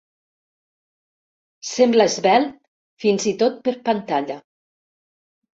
Sembla esvelt fins i tot per pantalla.